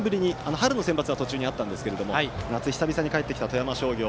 春センバツは途中にありましたが夏は久々に帰ってきた富山商業。